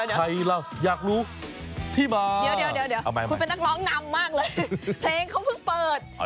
ใครล่ะอยากรู้ที่มาเดี๋ยวคุณเป็นนักร้องนำมากเลยเพลงเขาเพิ่งเปิด